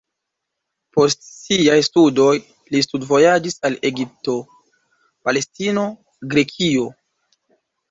Post siaj studoj li studvojaĝis al Egipto, Palestino, Grekio.